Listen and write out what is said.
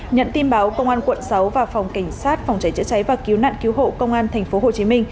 nhận tin báo công an quận sáu và phòng cảnh sát phòng cháy chữa cháy và cứu nạn cứu hộ công an tp hcm